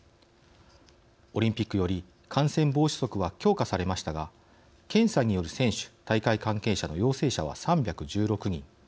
オリンピックより感染防止策は強化されましたが検査による選手・大会関係者の陽性者は３１６人。